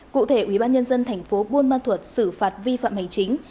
cụ thể ubnd tp bôn ma thuật xử phạt vi phạm hành chính